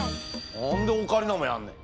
何でオカリナもやんねん！